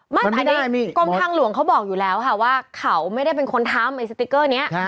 ไม่แต่อันนี้กรมทางหลวงเขาบอกอยู่แล้วค่ะว่าเขาไม่ได้เป็นคนทำไอ้สติ๊กเกอร์นี้